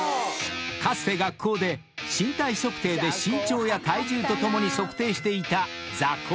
［かつて学校で身体測定で身長や体重と共に測定していた座高］